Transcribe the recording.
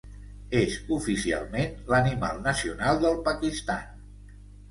És oficialment l'animal nacional del Pakistan.